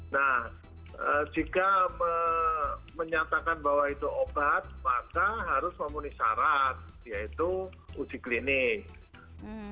nah jika menyatakan bahwa itu obat maka harus memenuhi syarat yaitu uji klinik